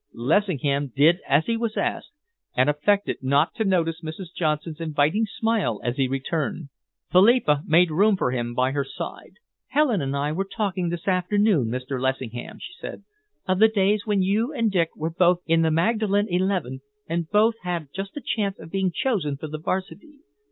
Lessingham did as he was asked, and affected not to notice Mrs. Johnson's inviting smile as he returned. Philippa made room for him by her side. "Helen and I were talking this afternoon, Mr. Lessingham," she said, "of the days when you and Dick were both in the Magdalen Eleven and both had just a chance of being chosen for the Varsity.